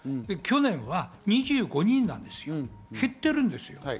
去年は２５人なんですよ、減ってるんですよ。